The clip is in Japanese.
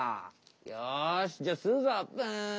よしじゃあすうぞ！